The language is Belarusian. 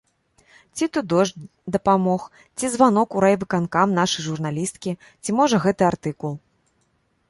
Ці то дождж дапамог, ці званок у райвыканкам нашай журналісткі, ці можа гэты артыкул.